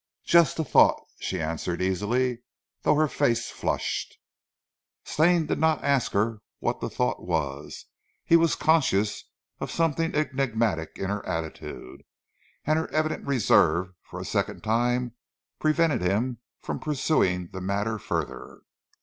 "Just a thought!" she answered easily, though her face flushed. Stane did not ask her what the thought was. He was conscious of something enigmatic in her attitude, and her evident reserve for a second time prevented him from pursuing the matter further.